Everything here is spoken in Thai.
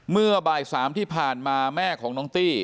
เมื่อบ่าย๓ที่ผ่านมาแม่ของน้องตี้